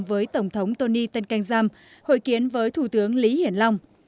với tổng thống tony tân canh giam hội kiến với thủ tướng lý hiển long